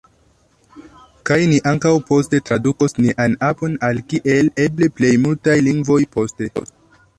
Kaj ni ankaŭ poste tradukos nian apon al kiel eble plej multaj lingvoj poste.